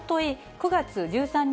９月１３日